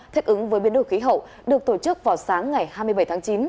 thích ứng với biến đổi khí hậu được tổ chức vào sáng ngày hai mươi bảy tháng chín